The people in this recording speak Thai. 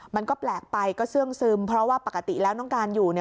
มันก็แปลกไปก็เสื่องซึมเพราะว่าปกติแล้วน้องการอยู่เนี่ย